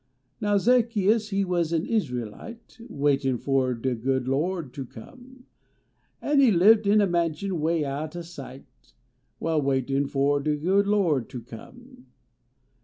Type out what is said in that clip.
Now Zaccheus he was an Israelite, Waitin fo de good Lo d ter come. En he lived in a mansion way out o sight While waitiif fo de Lo d ter come.